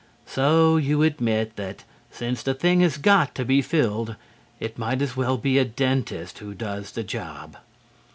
So you admit that, since the thing has got to be filled, it might as well be a dentist who does the job.